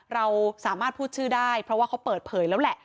เราสามารถพูดชื่อได้เพราะว่าเขาเปิดเผยแล้วแหละ